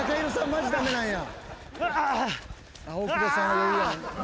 マジ駄目なんや。